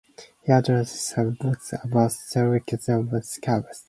He authored several books about stone carving.